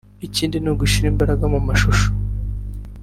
Ikindi ni ugushyira imbaraga mu mashusho